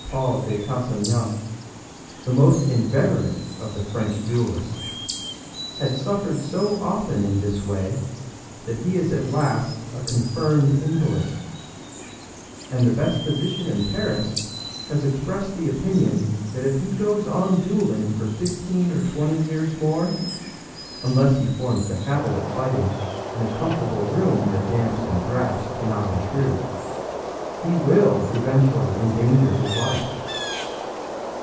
Paul de Cassagnac, the most inveterate of the French duelists, had suffered so often in this way that he is at last a confirmed invalid; and the best physician in Paris has expressed the opinion that if he goes on dueling for fifteen or twenty years more unless he forms the habit of fighting in a comfortable room where damps and draughts cannot intrude he will eventually endanger his life.